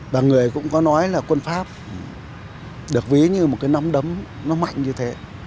và người cũng có nói là quân pháp được ví như một cái nóng đấm nó mạnh như thế